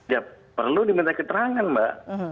ya perlu diminta keterangan mbak